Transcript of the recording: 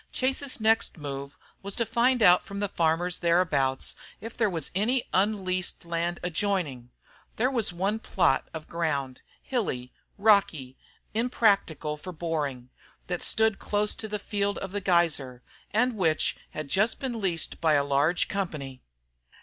Chase's next move was to find out from the farmers thereabouts if there was any unleased land adjoining. There was one plot of ground, hilly, rocky, unpractical for boring, that stood close to the field of "The Geyser," and which had just been leased by a large company.